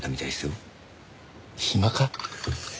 暇か？